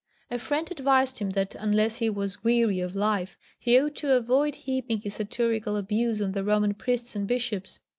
A friend advised him that, unless he was weary of life, he ought to avoid heaping his satirical abuse on the Roman priests and bishops.